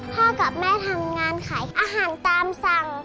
กับแม่ทำงานขายอาหารตามสั่ง